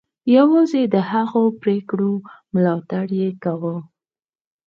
یوازې د هغو پرېکړو ملاتړ یې کاوه.